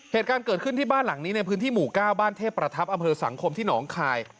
เหตุการณ์เกิดขึ้นที่บ้านหลังนี้ในพื้นที่หมู่๙บ้านเทพประทับอำเภอสังคมที่หนองคาย